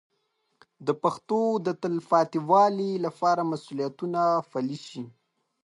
د پښتو د تلپاتې والي لپاره مسوولیتونه پلي شي.